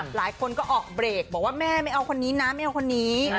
หลายคนก็ออกเบรกบอกว่าแม่ไม่เอาคนนี้นะไม่เอาคนนี้